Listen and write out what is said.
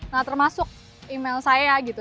nah termasuk email saya gitu